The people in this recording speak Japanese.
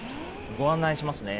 ご案内しますね。